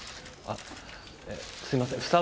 あっすいません